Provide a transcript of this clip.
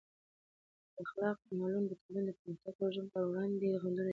بې اخلاقه عملونه د ټولنې د پرمختګ او ګډ ژوند پر وړاندې خنډونه جوړوي.